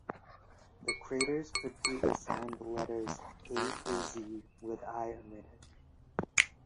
The craters could be assigned letters A through Z, with I omitted.